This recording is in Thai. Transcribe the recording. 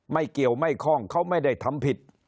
ไม่เกี่ยวไม่คล่องเขาไม่ได้ทำผิด